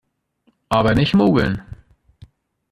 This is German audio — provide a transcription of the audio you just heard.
Aber nicht mogeln!